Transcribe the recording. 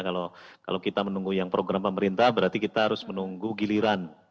kalau kita menunggu yang program pemerintah berarti kita harus menunggu giliran